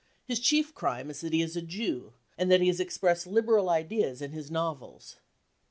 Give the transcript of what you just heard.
His chief crime is that he is a Jew and that he has expressed liberal ideas in his novels.